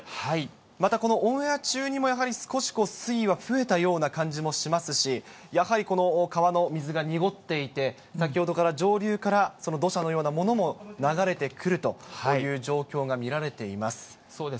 またこのオンエア中にも、少し水位が増えたような感じもしますし、やはり川の水が濁っていて、先ほどから上流から、その土砂のようなものも流れてくるという状況が見られています。